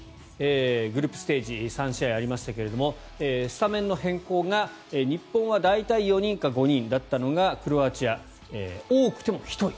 グループステージ３試合ありましたがスタメンの変更が日本は大体４人か５人だったのがクロアチアは多くても１人。